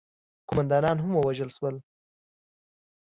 قوماندانان هم ووژل شول.